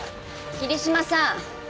桐島さん。